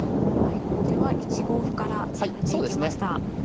はい後手は１五歩から攻めていきました。